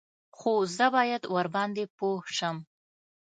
_خو زه بايد ورباندې پوه شم.